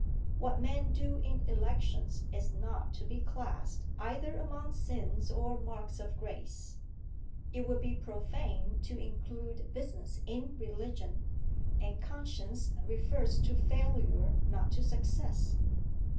What men do in elections is not to be classed either among sins or marks of grace; it would be profane to include business in religion, and conscience refers to failure, not to success.